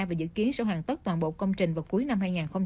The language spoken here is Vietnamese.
và dự kiến sẽ hoàn tất toàn bộ công trình vào cuối năm hai nghìn hai mươi